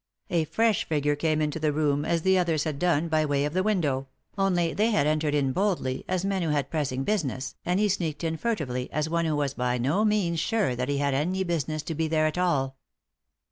A fresh figure came into the room, as the others had done, by way of the window ; only they had entered in boldly, as men who had pressing business, and he sneaked in furtively, as one who was by no means sore that he had any business to be there at all.